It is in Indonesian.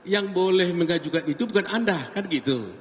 yang boleh mengajukan itu bukan anda kan gitu